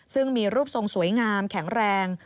ซึ่งมีรูปทรงสวยงามแข็งแรง